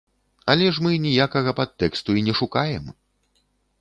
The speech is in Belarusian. Але ж мы ніякага падтэксту і не шукаем!